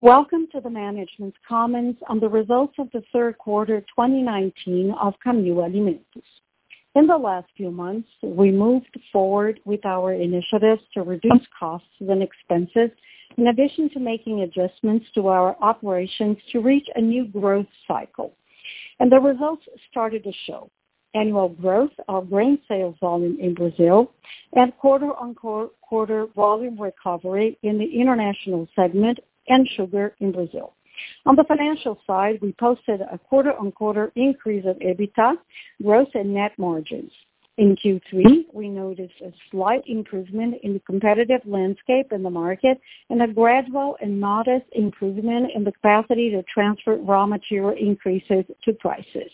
Welcome to the management comments on the results of the third quarter 2019 of Camil Alimentos. In the last few months, we moved forward with our initiatives to reduce costs and expenses, in addition to making adjustments to our operations to reach a new growth cycle. The results started to show annual growth of grain sales volume in Brazil and quarter-on-quarter volume recovery in the international segment and sugar in Brazil. On the financial side, we posted a quarter-on-quarter increase of EBITDA growth and net margins. In Q3, we noticed a slight improvement in the competitive landscape in the market and a gradual and modest improvement in the capacity to transfer raw material increases to prices.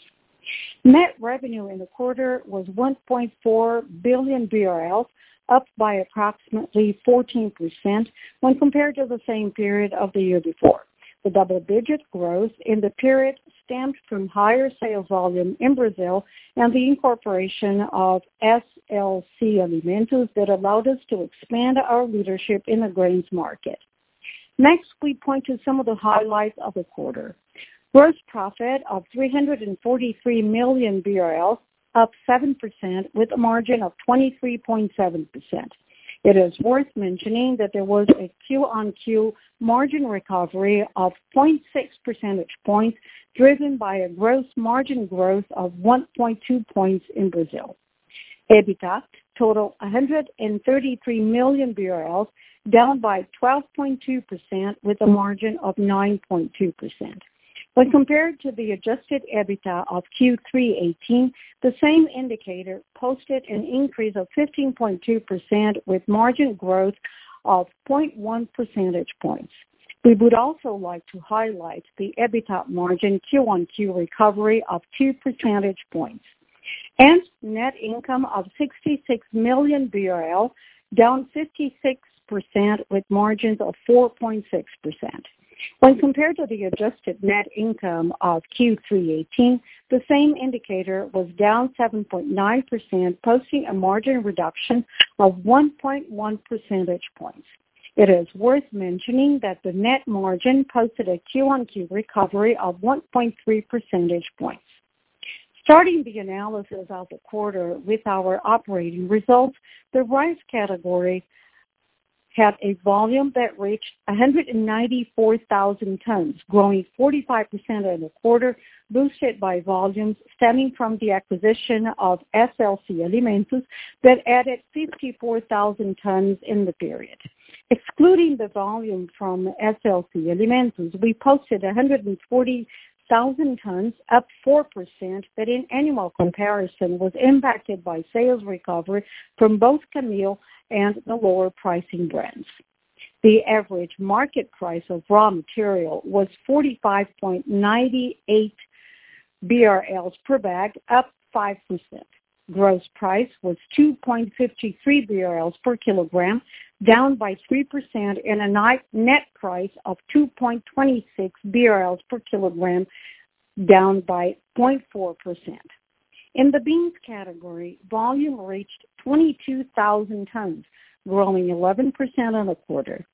Net revenue in the quarter was 1.4 billion BRL, up by approximately 14% when compared to the same period of the year before. The double-digit growth in the period stemmed from higher sales volume in Brazil and the incorporation of SLC Alimentos that allowed us to expand our leadership in the grains market. We point to some of the highlights of the quarter. Gross profit of 343 million BRL, up 7%, with a margin of 23.7%. It is worth mentioning that there was a quarter-over-quarter margin recovery of 0.6 percentage points, driven by a gross margin growth of 1.2 points in Brazil. EBITDA total, 133 million BRL, down by 12.2% with a margin of 9.2%. When compared to the adjusted EBITDA of Q3 2018, the same indicator posted an increase of 15.2% with margin growth of 0.1 percentage points. We would also like to highlight the EBITDA margin quarter-over-quarter recovery of two percentage points. Net income of 66 million BRL, down 56% with margins of 4.6%. When compared to the adjusted net income of Q3 2018, the same indicator was down 7.9%, posting a margin reduction of 1.1 percentage points. It is worth mentioning that the net margin posted a Q-on-Q recovery of 1.3 percentage points. Starting the analysis of the quarter with our operating results, the rice category had a volume that reached 194,000 tons, growing 45% in the quarter, boosted by volumes stemming from the acquisition of SLC Alimentos that added 54,000 tons in the period. Excluding the volume from SLC Alimentos, we posted 140,000 tons, up 4%, but in annual comparison was impacted by sales recovery from both Camil and the lower pricing brands. The average market price of raw material was 45.98 BRL per bag, up 5%. Gross price was 2.53 BRL per kilogram, down by 3%, and a net price of 2.26 BRL per kilogram, down by 0.4%. In the beans category, volume reached 22,000 tons, growing 11% on a quarter.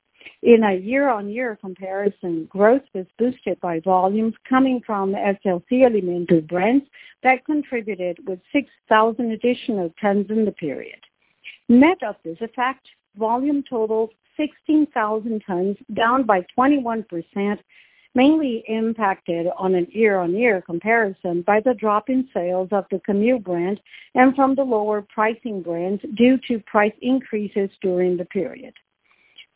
In a year-on-year comparison, growth was boosted by volumes coming from SLC Alimentos brands that contributed with 6,000 additional tons in the period. Net of this effect, volume totaled 16,000 tons, down by 21%, mainly impacted on a year-on-year comparison by the drop in sales of the Camil brand and from the lower pricing brands due to price increases during the period.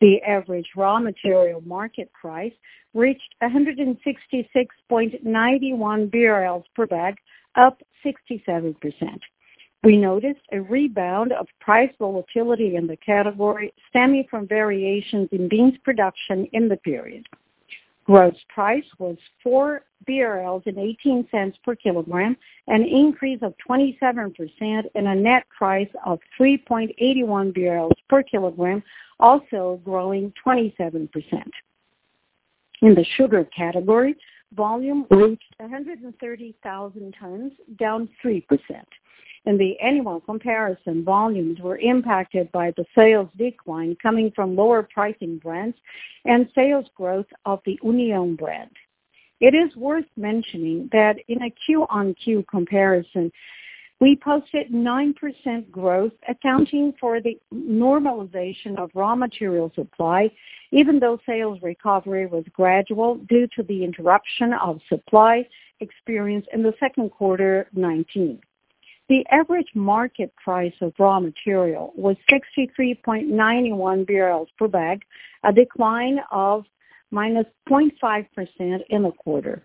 The average raw material market price reached 166.91 per bag, up 67%. We noticed a rebound of price volatility in the category stemming from variations in beans production in the period. Gross price was 4.18 BRL per kilogram, an increase of 27%, and a net price of 3.81 BRL per kilogram, also growing 27%. In the sugar category, volume reached 130,000 tons, down 3%. In the annual comparison, volumes were impacted by the sales decline coming from lower pricing brands and sales growth of the União brand. It is worth mentioning that in a Q-on-Q comparison, we posted 9% growth accounting for the normalization of raw material supply, even though sales recovery was gradual due to the interruption of supply experienced in the second quarter 2019. The average market price of raw material was 63.91 per bag, a decline of -0.5% in the quarter.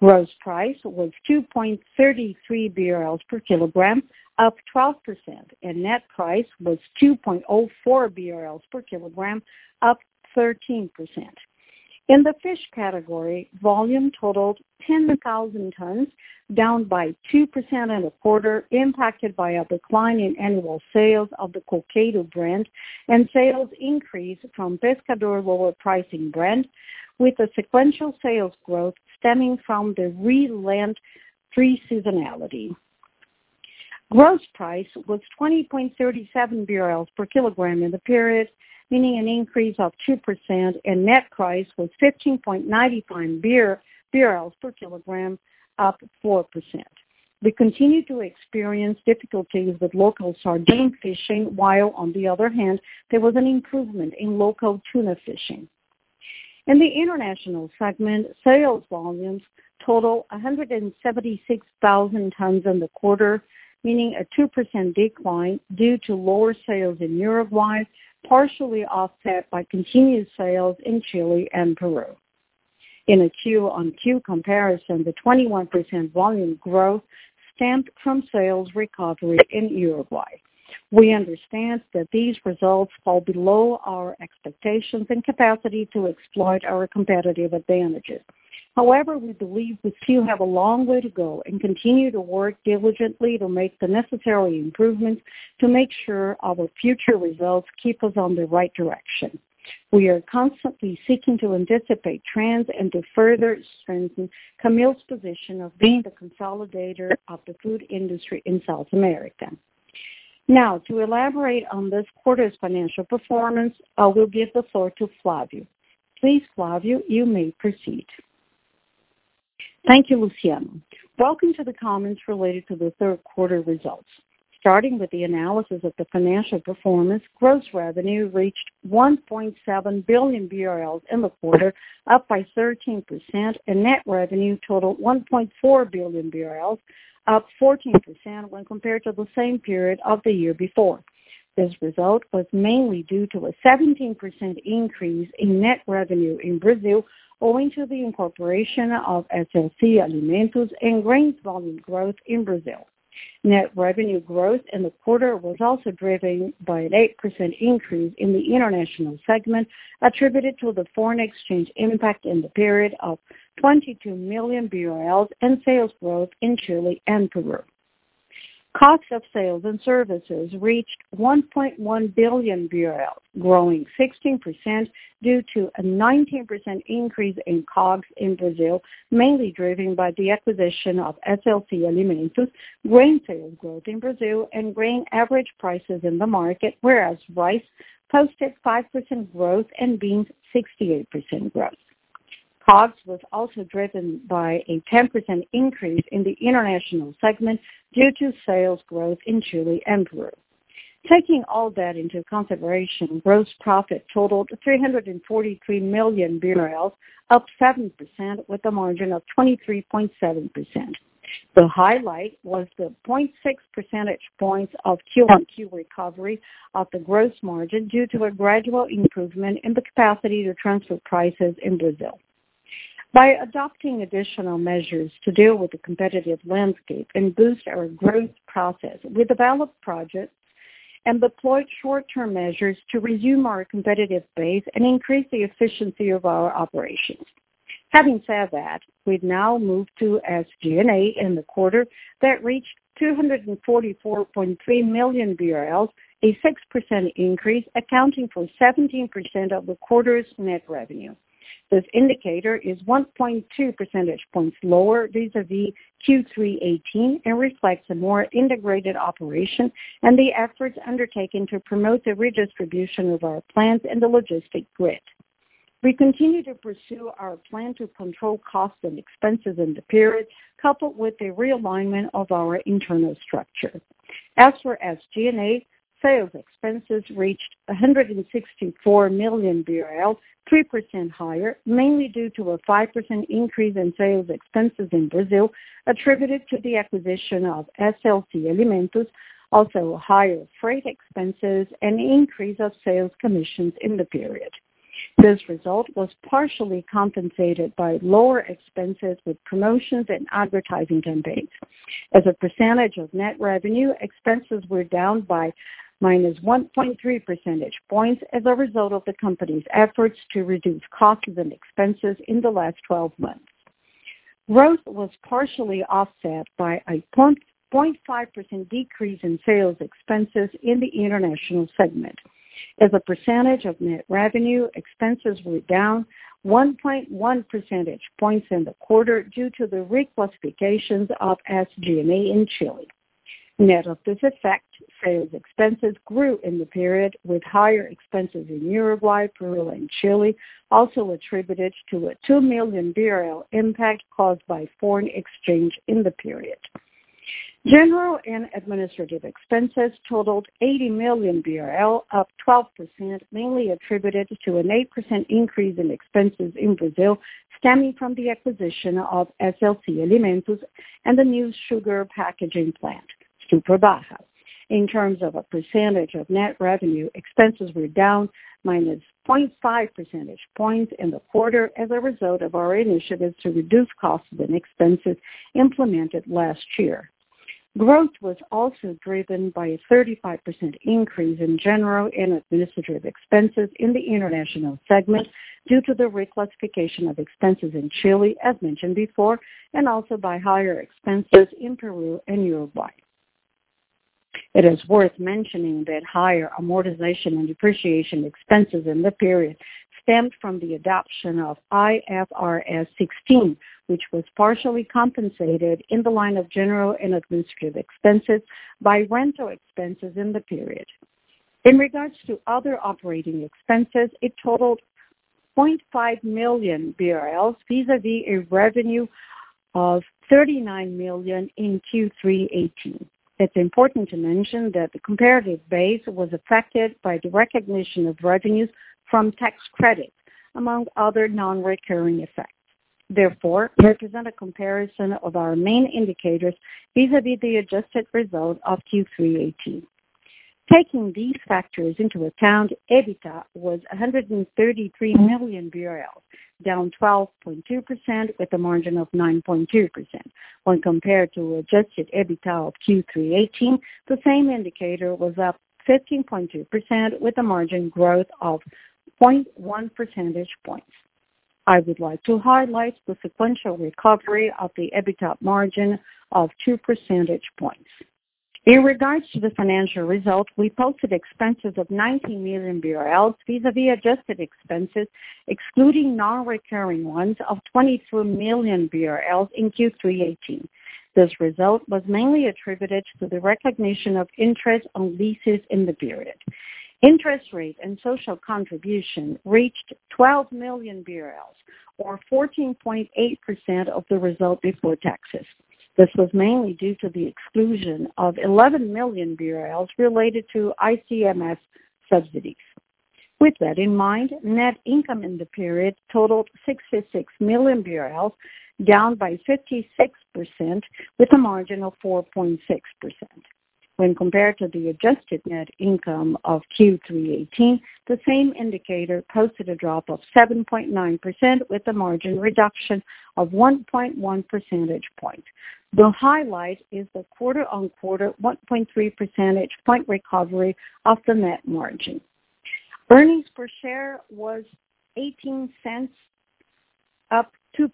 Gross price was 2.33 BRL per kilogram, up 12%, and net price was 2.04 BRL per kilogram, up 13%. In the fish category, volume totaled 10,000 tons, down by 2% in the quarter, impacted by a decline in annual sales of the Coqueiro brand and sales increase from Pescador lower pricing brand with a sequential sales growth stemming from the Lent pre-seasonality. Gross price was 20.37 per kilogram in the period, meaning an increase of 2%, and net price was 15.95 per kilogram, up 4%. We continue to experience difficulties with local sardine fishing, while on the other hand, there was an improvement in local tuna fishing. In the international segment, sales volumes total 176,000 tons in the quarter, meaning a 2% decline due to lower sales in Uruguay, partially offset by continued sales in Chile and Peru. In a Q-on-Q comparison, the 21% volume growth stemmed from sales recovery in Uruguay. We understand that these results fall below our expectations and capacity to exploit our competitive advantages. We believe that we still have a long way to go and continue to work diligently to make the necessary improvements to make sure our future results keep us on the right direction. We are constantly seeking to anticipate trends and to further strengthen Camil's position of being the consolidator of the food industry in South America. To elaborate on this quarter's financial performance, I will give the floor to Flavio. Please, Flavio, you may proceed. Thank you, Luciano. Welcome to the comments related to the third quarter results. With the analysis of the financial performance, gross revenue reached 1.7 billion BRL in the quarter, up by 13%, and net revenue totaled 1.4 billion BRL, up 14% when compared to the same period of the year before. This result was mainly due to a 17% increase in net revenue in Brazil, owing to the incorporation of SLC Alimentos and grains volume growth in Brazil. Net revenue growth in the quarter was also driven by an 8% increase in the international segment, attributed to the foreign exchange impact in the period of 22 million and sales growth in Chile and Peru. Cost of sales and services reached 1.1 billion BRL, growing 16% due to a 19% increase in COGS in Brazil, mainly driven by the acquisition of SLC Alimentos, grain sales growth in Brazil, and grain average prices in the market, whereas rice posted 5% growth and beans 78% growth. COGS was also driven by a 10% increase in the international segment due to sales growth in Chile and Peru. Taking all that into consideration, gross profit totaled 343 million BRL, up 7%, with a margin of 23.7%. The highlight was the 0.6 percentage points of quarter-over-quarter recovery of the gross margin due to a gradual improvement in the capacity to transfer prices in Brazil. By adopting additional measures to deal with the competitive landscape and boost our growth process, we developed projects and deployed short-term measures to resume our competitive base and increase the efficiency of our operations. Having said that, we now move to SG&A in the quarter that reached 244.3 million BRL, a 6% increase accounting for 17% of the quarter's net revenue. This indicator is 1.2 percentage points lower vis-a-vis Q3 2018 and reflects a more integrated operation and the efforts undertaken to promote the redistribution of our plants and the logistic grid. We continue to pursue our plan to control costs and expenses in the period, coupled with a realignment of our internal structure. As for SG&A, sales expenses reached 164 million BRL, 3% higher, mainly due to a 5% increase in sales expenses in Brazil, attributed to the acquisition of SLC Alimentos, also higher freight expenses, and increase of sales commissions in the period. This result was partially compensated by lower expenses with promotions and advertising campaigns. As a percentage of net revenue, expenses were down by minus 1.3 percentage points as a result of the company's efforts to reduce costs and expenses in the last 12 months. Growth was partially offset by a 0.5% decrease in sales expenses in the international segment. As a percentage of net revenue, expenses were down 1.1 percentage points in the quarter due to the reclassifications of SG&A in Chile. Net of this effect, sales expenses grew in the period with higher expenses in Uruguay, Peru, and Chile, also attributed to a 2 million BRL impact caused by foreign exchange in the period. General and administrative expenses totaled 80 million BRL, up 12%, mainly attributed to an 8% increase in expenses in Brazil, stemming from the acquisition of SLC Alimentos and the new sugar packaging plant, Superba. In terms of a percentage of net revenue, expenses were down minus 0.5 percentage points in the quarter as a result of our initiatives to reduce costs and expenses implemented last year. Growth was also driven by a 35% increase in general and administrative expenses in the international segment due to the reclassification of expenses in Chile, as mentioned before, and also by higher expenses in Peru and Uruguay. It is worth mentioning that higher amortization and depreciation expenses in the period stemmed from the adoption of IFRS 16, which was partially compensated in the line of general and administrative expenses by rental expenses in the period. In regards to other operating expenses, it totaled 0.5 million BRL vis-a-vis a revenue of 39 million in Q3 '18. It's important to mention that the comparative base was affected by the recognition of revenues from tax credits, among other non-recurring effects. We present a comparison of our main indicators vis-a-vis the adjusted result of Q3 '18. Taking these factors into account, EBITDA was 133 million BRL, down 12.2% with a margin of 9.2%. When compared to adjusted EBITDA of Q3 2018, the same indicator was up 15.2% with a margin growth of 0.1 percentage points. I would like to highlight the sequential recovery of the EBITDA margin of two percentage points. In regards to the financial results, we posted expenses of 19 million BRL vis-a-vis adjusted expenses, excluding non-recurring ones of 22 million BRL in Q3 2018. This result was mainly attributed to the recognition of interest on leases in the period. Interest rate and social contribution reached 12 million BRL, or 14.8% of the result before taxes. This was mainly due to the exclusion of 11 million BRL related to ICMS subsidies. With that in mind, net income in the period totaled 66 million BRL, down by 56% with a margin of 4.6%. When compared to the adjusted net income of Q3 2018, the same indicator posted a drop of 7.9% with a margin reduction of 1.1 percentage point. The highlight is the quarter-on-quarter 1.3 percentage point recovery of the net margin. Earnings per share was 0.18, up 2%.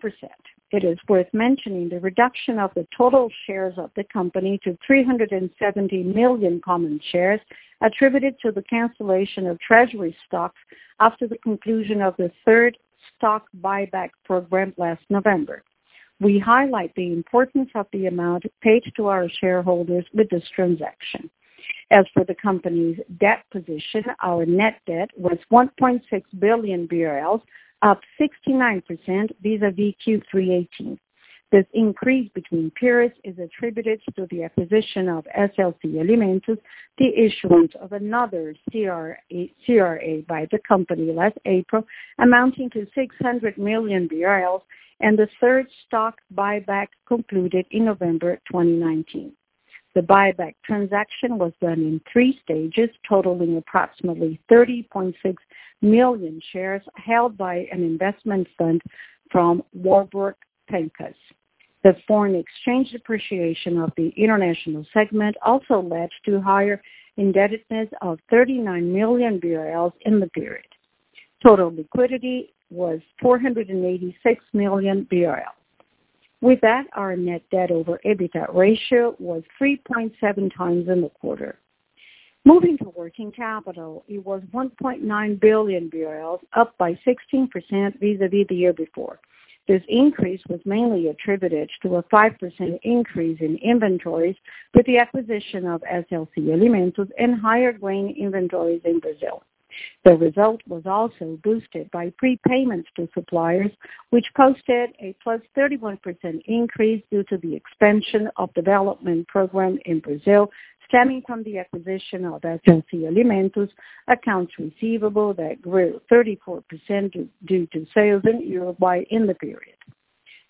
It is worth mentioning the reduction of the total shares of the company to 370 million common shares attributed to the cancellation of treasury stocks after the conclusion of the third stock buyback program last November. We highlight the importance of the amount paid to our shareholders with this transaction. As for the company's debt position, our net debt was 1.6 billion BRL, up 69% vis-a-vis Q3 2018. This increase between periods is attributed to the acquisition of SLC Alimentos, the issuance of another CRA by the company last April amounting to 600 million BRL, and the third stock buyback concluded in November 2019. The buyback transaction was done in 3 stages, totaling approximately 30.6 million shares held by an investment fund from Warburg Pincus. The foreign exchange depreciation of the international segment also led to higher indebtedness of 39 million BRL in the period. Total liquidity was 486 million BRL. With that, our net debt over EBITDA ratio was 3.7 times in the quarter. Moving to working capital, it was 1.9 billion BRL, up by 16% vis-a-vis the year before. This increase was mainly attributed to a 5% increase in inventories with the acquisition of SLC Alimentos and higher grain inventories in Brazil. The result was also boosted by prepayments to suppliers, which posted a plus 31% increase due to the expansion of development program in Brazil stemming from the acquisition of SLC Alimentos accounts receivable that grew 34% due to sales in Uruguay in the period.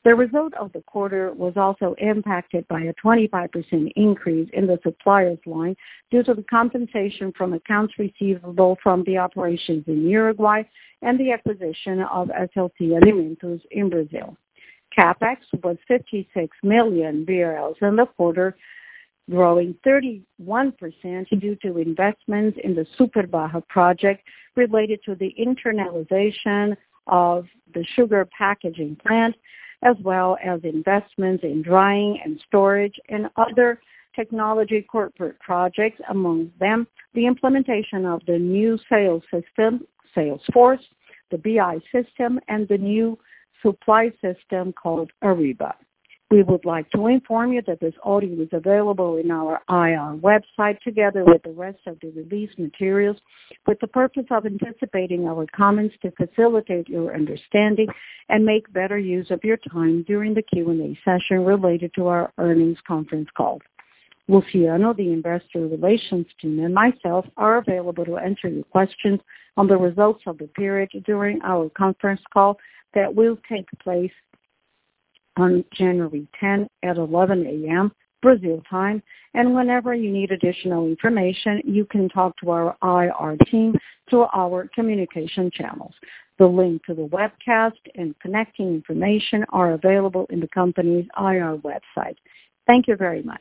The result of the quarter was also impacted by a 25% increase in the suppliers line due to the compensation from accounts receivable from the operations in Uruguay and the acquisition of SLC Alimentos in Brazil. CapEx was BRL 56 million in the quarter, growing 31% due to investments in the Superba project related to the internalization of the sugar packaging plant, as well as investments in drying and storage and other technology corporate projects, among them, the implementation of the new sales system, Salesforce, the BI system, and the new supply system called Ariba. We would like to inform you that this audio is available on our IR website together with the rest of the release materials, with the purpose of anticipating our comments to facilitate your understanding and make better use of your time during the Q&A session related to our earnings conference call. Luciano, the investor relations team, and myself are available to answer your questions on the results of the period during our conference call that will take place on January 10 at 11:00 AM, Brazil time. Whenever you need additional information, you can talk to our IR team through our communication channels. The link to the webcast and connecting information are available in the company's IR website. Thank you very much.